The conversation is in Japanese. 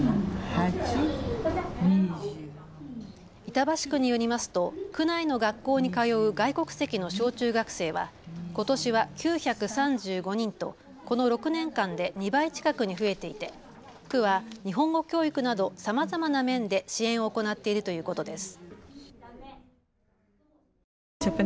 板橋区によりますと区内の学校に通う外国籍の小中学生はことしは９３５人と、この６年間で２倍近くに増えていて区は日本語教育などさまざまな面で支援を行っているということです。